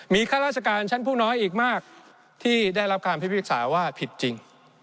มีข้าราชการชั้นผู้น้อยอีกมากที่ได้รับการพิพากษาว่าผิดจริง